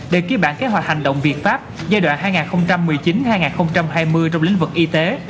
để ký bản kế hoạch hành động việt pháp giai đoạn hai nghìn một mươi chín hai nghìn hai mươi trong lĩnh vực y tế